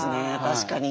確かに。